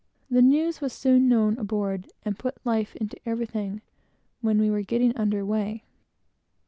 The news was soon known aboard, and put life into everything when we were getting under weigh.